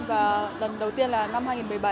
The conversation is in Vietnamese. và lần đầu tiên là năm hai nghìn một mươi bảy